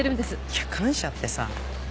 いや感謝ってさ。